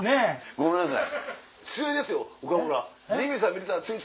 ごめんなさい。